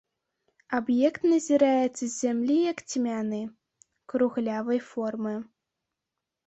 Аб'ект назіраецца з зямлі як цьмяны, круглявай формы.